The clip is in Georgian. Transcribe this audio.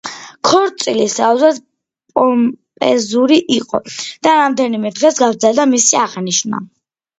ქორწილი საოცრად პომპეზური იყო და რამდენიმე დღეს გაგრძელდა მისი აღნიშვნა.